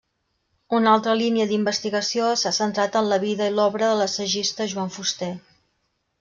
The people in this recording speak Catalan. Una altra línia d'investigació s'ha centrat en la vida i l'obra de l'assagista Joan Fuster.